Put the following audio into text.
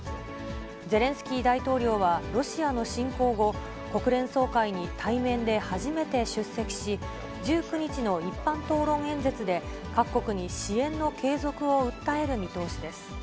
ゼレンスキー大統領はロシアの侵攻後、国連総会に対面で初めて出席し、１９日の一般討論演説で、各国に支援の継続を訴える見通しです。